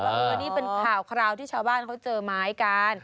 เออนี่เป็นข่าวคราวที่ชาวบ้านเขาเจอไม้กัน